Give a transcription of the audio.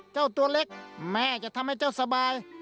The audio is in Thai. เจ้าตัวเล็กแม่จะทำให้เจ้าสบาย